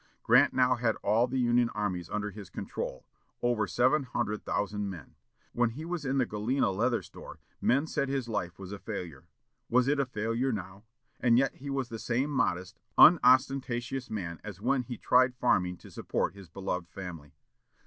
Grant now had all the Union armies under his control over seven hundred thousand men. When he was in the Galena leather store, men said his life was a failure! Was it a failure now? And yet he was the same modest, unostentatious man as when he tried farming to support his beloved family.